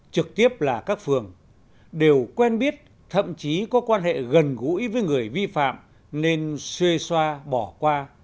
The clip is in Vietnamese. trực tiếp là các phường đều quen biết thậm chí có quan hệ gần gũi với người vi phạm nên xuê xoa bỏ qua